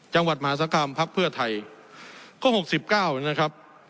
จังหวัดมหาศกรรมพรรคเพื่อไทยก็หกสิบเก้านะครับ